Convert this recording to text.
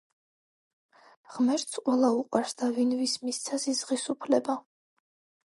ღმერთს ყველა უყვარს და ვინ ვის მისცა ზიზღის უფლება.